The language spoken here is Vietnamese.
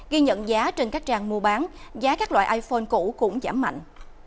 ghi nhận giá trên các trang mua bán giá các loại iphone cũ cũng giảm mạnh